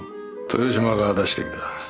豊島が出してきた。